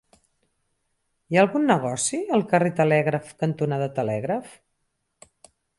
Hi ha algun negoci al carrer Telègraf cantonada Telègraf?